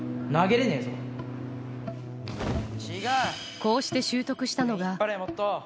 こうして習得したのが。